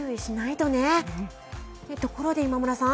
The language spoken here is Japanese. ところで今村さん